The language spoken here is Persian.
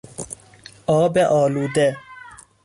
آب آلوده